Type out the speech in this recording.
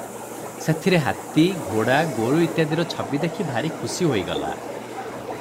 ସେଥିରେ ହାତୀ, ଘୋଡ଼ା, ଗୋରୁ ଇତ୍ୟାଦିର ଛବି ଦେଖି ଭାରି ଖୁସି ହୋଇଗଲା ।